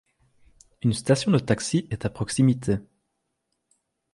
Une station de taxi est à proximité.